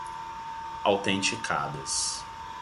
autenticadas